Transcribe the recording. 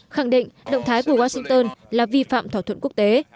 khẳng định động thái của washington là vi phạm thỏa thuận quốc tế